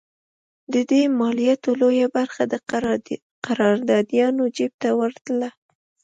د دې مالیاتو لویه برخه د قراردادیانو جېب ته ورتله.